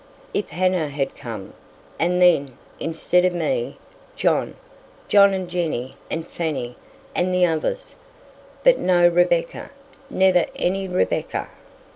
If Hannah had come, and then, instead of me, John; John and Jenny and Fanny and the others, but no Rebecca; never any Rebecca!